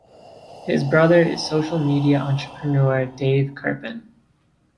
His brother is social media entrepreneur Dave Kerpen.